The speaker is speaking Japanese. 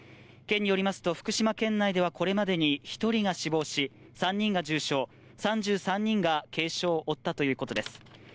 県によりますと、福島県内ではこれまでに１人が死亡し、３人が重傷、３３人が軽傷を負ったということです。